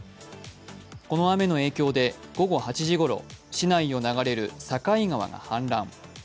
この雨の影響で午後８時ごろ市内を流れる境川が氾濫。